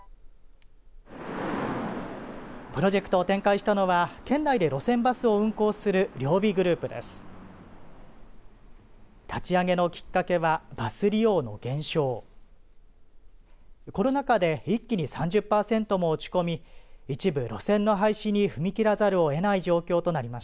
プロジェクトを展開したのは県内で路線バスを運行する両備グループです。